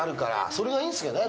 それがいいんすけどね